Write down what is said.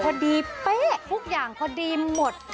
เป๊ะทุกอย่างพอดีหมด